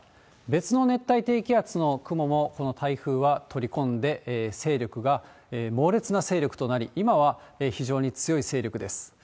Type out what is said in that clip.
別の熱帯低気圧の雲も、この台風は取り込んで、勢力が猛烈な勢力となり、今は非常に強い勢力です。